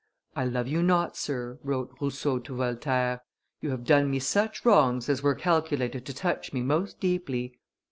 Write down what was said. "I love you not, sir," wrote Rousseau to Voltaire: "you have done me such wrongs as were calculated to touch me most deeply.